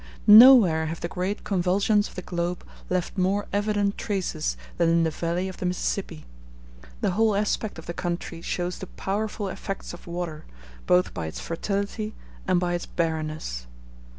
Nowhere have the great convulsions of the globe left more evident traces than in the valley of the Mississippi; the whole aspect of the country shows the powerful effects of water, both by its fertility and by its barrenness.